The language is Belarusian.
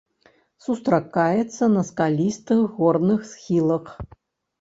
Сустракаецца на скалістых горных схілах.